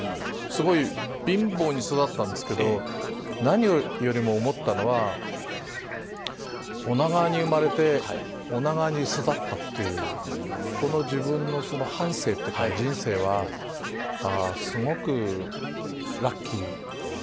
すごい貧乏に育ったんですけど何よりも思ったのは女川に生まれて女川に育ったっていうこの自分のその半生っていうか人生はすごくラッキー。